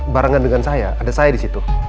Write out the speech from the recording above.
barengan dengan saya ada saya disitu